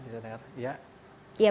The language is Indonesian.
bisa bapak jelaskan